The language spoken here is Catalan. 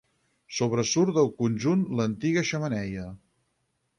Sobresurt del conjunt l'antiga xemeneia.